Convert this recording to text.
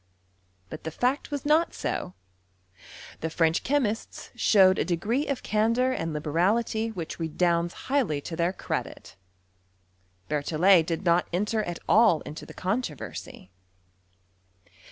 But the fact was not so : the French chemists showed a de~ gree of candour and liberality which redounds highly to their credit. Bettiiollet did not enter at all into the controversy.